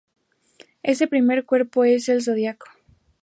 Ese primer cuerpo es como el zócalo.